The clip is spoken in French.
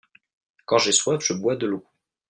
quand j'ai soif je bois de l'eau.